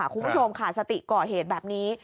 คุณผู้ชมค่ะสติก่อเหตุแบบนี้